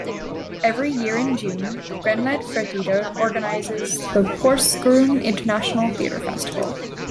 Every year in June, Grenland Friteater organises the Porsgrunn International Theatre Festival.